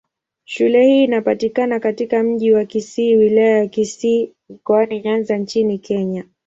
Shule hii inapatikana katika Mji wa Kisii, Wilaya ya Kisii, Mkoani Nyanza nchini Kenya.